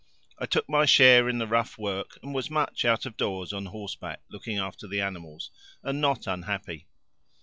I took my share in the rough work and was much out of doors on horseback looking after the animals, and not unhappy.